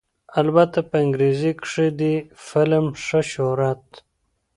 البته په انګرېزۍ کښې دې فلم ښۀ شهرت